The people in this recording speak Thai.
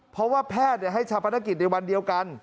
เพราะว่าแพทย์ให้ชาปนกิจในวันเดียวกัน